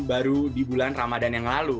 baru di bulan ramadan yang lalu